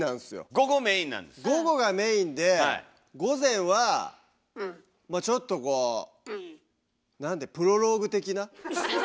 午後がメインで午前はまあちょっとこうプロローグ！